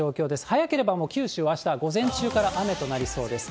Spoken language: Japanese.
早ければ九州は、あした午前中から雨となりそうです。